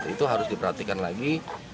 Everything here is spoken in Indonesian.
itu harus diperhatikan lagi